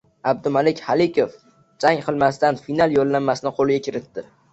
Abdumalik Halokov jang qilmasdan final yo‘llanmasini qo‘lga kiritdi